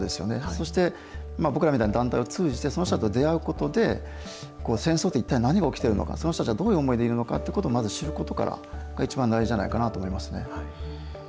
そして、僕らみたいな団体を通じてその人たちと出会うことで、戦争って、一体何が起きているのか、その人たちはどういう思いでいるのかということをまず知ることからが一番大事じゃないかと思いますね。